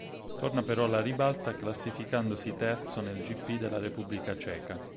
Torna però alla ribalta classificandosi terzo nel gp della Repubblica Ceca.